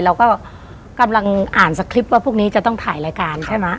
เราก็กำลังอ่านสคริปต์ว่าพวกนี้จะต้องถ่ายรายการใช่ไหม